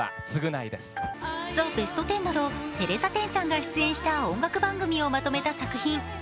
「ザ・ベストテン」などテレサ・テンさんが出演した音楽番組をまとめた作品。